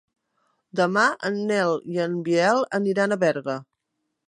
Demà en Nel i en Biel aniran a Berga.